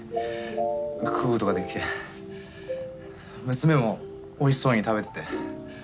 娘もおいしそうに食べてて。